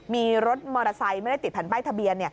มีรถมอเตอร์ไซค์ไม่ได้ติดแผ่นป้ายทะเบียน